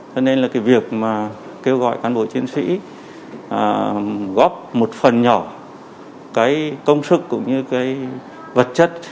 cho nên việc kêu gọi cán bộ chiến sĩ góp một phần nhỏ công sức cũng như vật chất